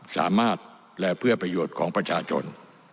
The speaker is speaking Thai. สามารถและเพื่อประโยชน์ของประชาชน